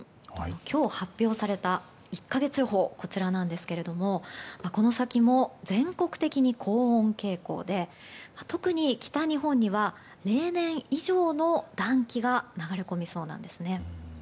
今日発表された１か月予報がこちらなんですがこの先も全国的に高温傾向で特に北日本には、例年以上の暖気が流れ込みそうなんですね。